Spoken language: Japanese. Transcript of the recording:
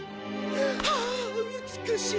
はあ美しい。